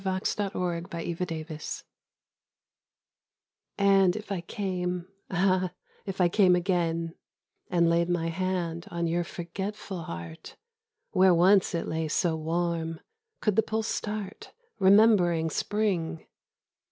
XXVI Not Dead but Sleeping And if I came, ah, if I came again, And laid my hand on your forgetful heart, Where once it lay so warm, could the pulse start, Remembering Spring?